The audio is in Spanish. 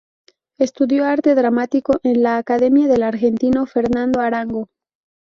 Estudió Arte Dramático en la Academia del argentino Fernando Arango.